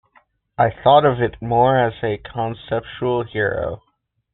I thought of it more as a conceptual hero.